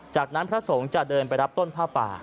จากนั้นพระสงฆ์จะเดินไปรับต้นผ้าป่า